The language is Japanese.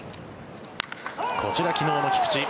こちら、昨日の菊池。